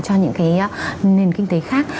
cho những cái nền kinh tế khác